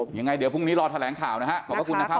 ยังไงเดี๋ยวพรุ่งนี้รอแถลงข่าวนะฮะขอบพระคุณนะครับ